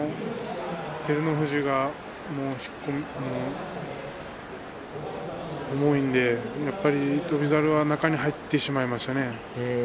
照ノ富士が重いので翔猿は中に入ってしまいましたね。